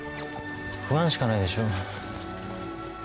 不安しかないでしょ。